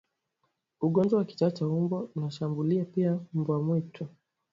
Ugonjwa wa kichaa cha mbwa unashambulia pia mbwa mwituni